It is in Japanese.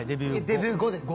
デビュー後です。